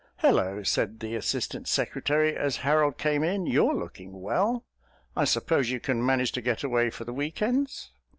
"Hullo," said the Assistant Secretary as Harold came in, "you're looking well. I suppose you can manage to get away for the weekends?"